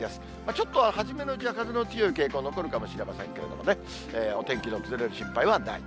ちょっと初めのうちは風の強い傾向残るかもしれませんけれどもね、お天気の崩れる心配はない。